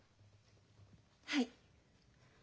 はい。